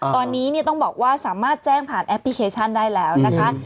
ตอนนี้ต้องบอกว่าสามารถแจ้งผ่านแอปพลิเคชันได้แล้วนะคะ